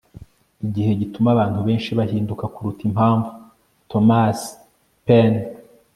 igihe gituma abantu benshi bahinduka kuruta impamvu. - thomas paine